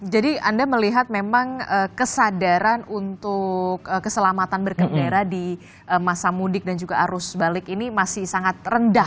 jadi anda melihat memang kesadaran untuk keselamatan berkendara di masa mudik dan juga arus balik ini masih sangat rendah